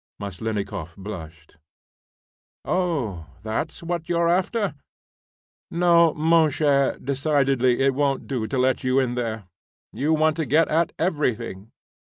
Maslennikoff blushed. "Oh, that's what you are after? No, mon cher, decidedly it won't do to let you in there; you want to get at everything.